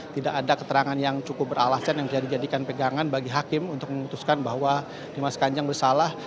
tidak ada keterangan yang cukup beralasan yang bisa dijadikan pegangan bagi hakim untuk memutuskan bahwa dimas kanjeng bersalah